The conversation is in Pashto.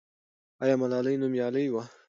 آیا ملالۍ نومیالۍ وه؟